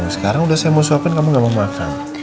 sekarang udah saya mau suapin kamu gak mau makan